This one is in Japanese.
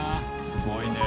すごいね。